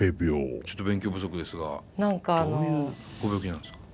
ちょっと勉強不足ですがどういうご病気なんですか？